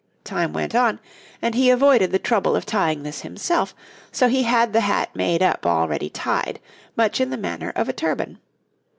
Time went on, and he avoided the trouble of tying this himself, so he had the hat made up all ready tied, much in the manner of a turban.